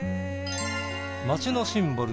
町のシンボル